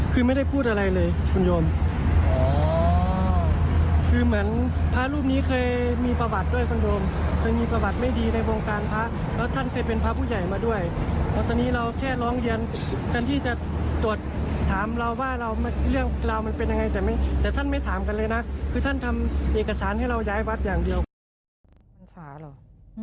คือท่านทำเอกสารให้เราย้ายวัดอย่างเดียว